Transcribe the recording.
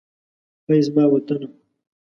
هئ! زما وطنه.